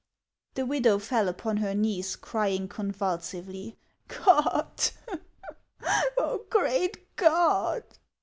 The widow fell upon her knees, crying convulsively, " God ! great God